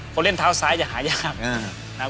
คนเล่นเท้าซ้ายจะหายาก